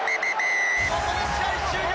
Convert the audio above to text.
ここで試合終了！